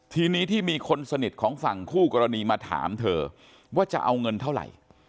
ทีนี้ที่มีคนสนิทของฝั่งคู่กรณีมาถามเธอว่าจะเอาเงินเท่าไหร่